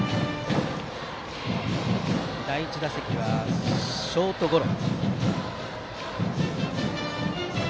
第１打席はショートゴロ。